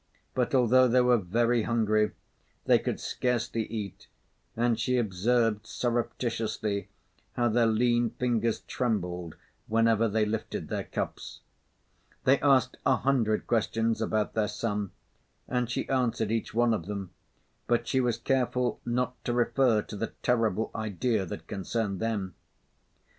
But although they were very hungry, they could scarcely eat, and she observed surreptitiously how their lean fingers trembled whenever they lifted their cups. They asked a hundred questions about their son, and she answered each one of them, but she was careful not to refer to the terrible idea that concerned them.